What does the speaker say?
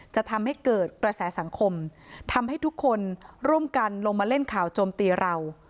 จะทำให้เกิดกระแสสังคมทำให้ทุกคนร่วมกันลงมาเล่นข่าวโจมตีเรา